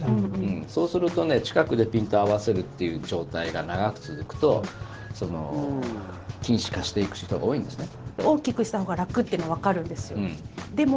そうすると、近くでピントを合わせる状態が長く続くと近視化していく人が多いんですね。